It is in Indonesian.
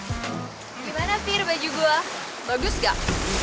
gimana fir baju gue bagus gak